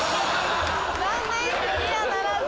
残念クリアならずです。